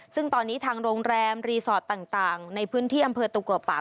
ซึ่งตอนนี้ทางโรงแรมรีสอร์ทต่างในพื้นที่อำเภอตุกัวป่า